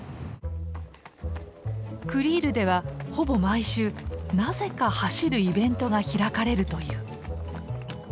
クリールではほぼ毎週なぜか走るイベントが開かれるという。